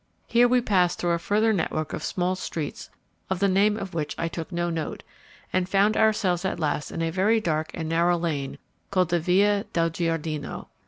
Here we passed through a further network of small streets of the name of which I took no note, and found ourselves at last in a very dark and narrow lane called the Via del Giardino.